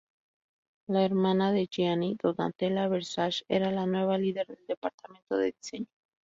La hermana de Gianni, Donatella Versace, era la nueva líder del departamento de diseño.